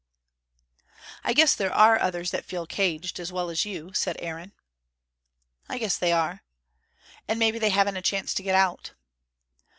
"I guess there are others that feel caged, as well as you," said Aaron. "I guess there are." "And maybe they haven't a chance to get out."